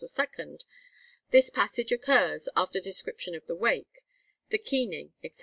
this passage occurs, after description of the wake, the keening, etc.